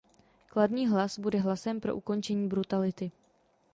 Kladný hlas bude hlasem pro ukončení brutality.